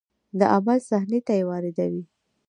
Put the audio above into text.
د عمل صحنې ته یې واردوي.